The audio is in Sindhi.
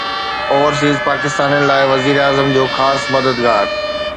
اوورسيز پاڪستانين لاءِ وزيراعظم جو خاص مددگار